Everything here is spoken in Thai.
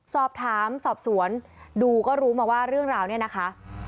สอบสวนดูก็รู้มาว่าเรื่องราวเนี่ยนะคะ